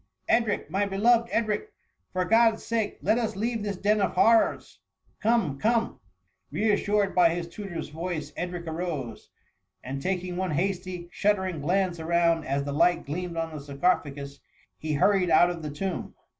^* Edric ! my beloved Edric ! for God's sake, let us leave this den of horrors ! come, come T 2S8 THE MUMJISY^ Ile*assured bj his txifor's voice, Edric iffose> and taking one hasty, shuddering glance around as the light gleamed on the sarcophagus, he hurried out of the tomb.